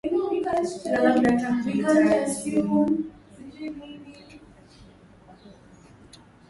Fedha hizi zilielekezwa kwenye Mfuko wa Kodi ya Maendeleo ya Petroli lakini uhaba huo wa mafuta umeendelea .